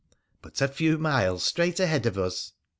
' But a few miles straight ahead of us.'